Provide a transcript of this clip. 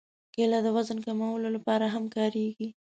کېله د وزن کمولو لپاره هم کارېږي.